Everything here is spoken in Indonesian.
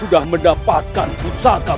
untuk membuatnya terakhir